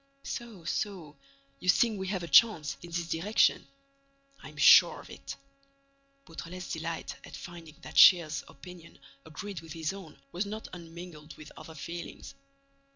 "So—so—you think we have a chance—in this direction." "I'm sure of it." Beautrelet's delight at finding that Shears's opinion agreed with his own was not unmingled with other feelings.